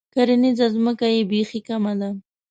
کرنیزه ځمکه یې بیخي کمه ده.